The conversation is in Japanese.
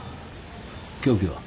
凶器は？